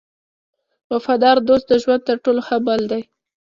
وفادار دوست د ژوند تر ټولو ښه مل دی.